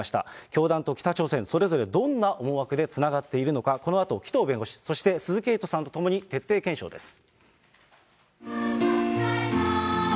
教団と北朝鮮、それぞれどんな思惑でつながっているのか、このあと紀藤弁護士、そして鈴木エイトさんと共に徹底検証です。